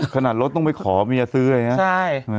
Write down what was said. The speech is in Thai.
ขนาดรถต้องไปขอเมียซื้ออะไรนะ